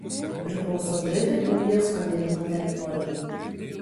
Priklauso Britų Indijos vandenyno teritorijai.